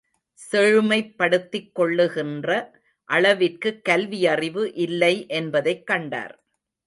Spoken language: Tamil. செழுமைப்படுத்திக் கொள்ளுகின்ற அளவிற்குக் கல்வியறிவு இல்லை என்பதைக் கண்டார்.